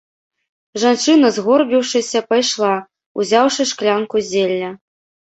Жанчына, згорбіўшыся, пайшла, узяўшы шклянку зелля.